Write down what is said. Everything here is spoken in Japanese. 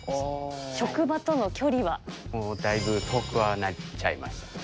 職場との距離は？だいぶ遠くはなっちゃいました。